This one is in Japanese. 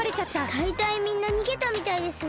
だいたいみんなにげたみたいですね。